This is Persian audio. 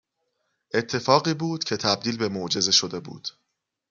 اتفاقی بود که تبدیل به معجزه شده بود